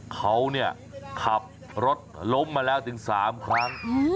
เขาเนี่ยขับรถล้มมาแล้วถึง๓ครั้ง